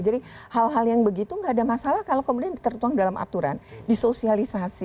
jadi hal hal yang begitu nggak ada masalah kalau kemudian tertuang dalam aturan disosialisasi